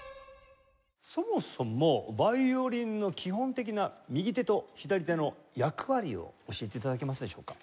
そもそもヴァイオリンの基本的な右手と左手の役割を教えて頂けますでしょうか？